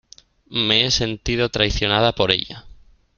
me he sentido traicionada por ella.